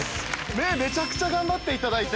目めちゃくちゃ頑張っていただいて。